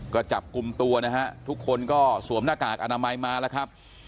ก็จับกลุ่มตัวนะฮะทุกคนก็สวมหน้ากากอนามัยมาแล้วครับ